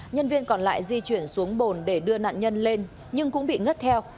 nhân viên còn lại di chuyển xuống bồn để đưa nạn nhân lên nhưng cũng bị ngất theo